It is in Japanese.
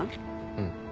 うん。